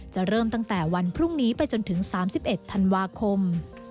เริ่มตั้งแต่วันพรุ่งนี้ไปจนถึง๓๑ธันวาคม